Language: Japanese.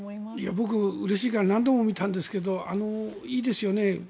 僕、うれしいから何度も見たんですがいいですよね。